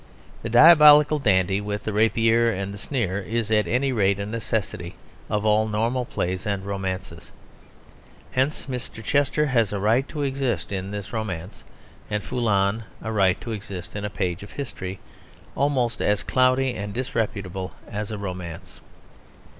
The diabolical dandy with the rapier and the sneer is at any rate a necessity of all normal plays and romances; hence Mr. Chester has a right to exist in this romance, and Foulon a right to exist in a page of history almost as cloudy and disputable as a romance.